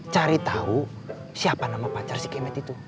cari tau siapa nama pacar si kemet itu